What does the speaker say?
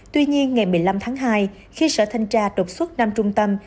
tuy nhiên ngày một mươi năm tháng hai khi sở thanh tra đột xuất năm trung tâm